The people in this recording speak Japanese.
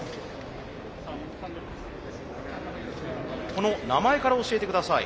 この名前から教えてください。